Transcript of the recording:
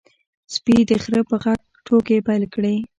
سپي د خره په غږ ټوکې پیل کړې.